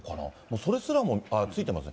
それすらも、あっ、ついてますね。